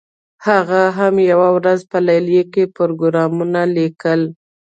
هغه هم یوه ورځ په لیلیه کې پروګرامونه لیکل